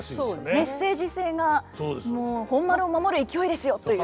メッセージ性が「本丸を守る勢いですよ」という。